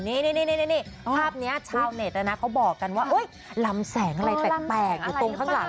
นี่ภาพนี้ชาวเน็ตเขาบอกกันว่าลำแสงอะไรแปลกอยู่ตรงข้างหลัง